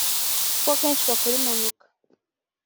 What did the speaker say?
kuko kenshi bakora impanuka